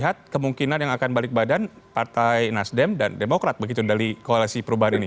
lihat kemungkinan yang akan balik badan partai nasdem dan demokrat begitu dari koalisi perubahan ini